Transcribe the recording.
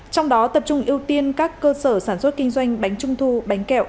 trong đó tập trung ưu tiên các cơ sở sản xuất kinh doanh bánh trung thu bánh kẹo